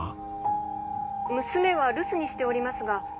「娘は留守にしておりますが。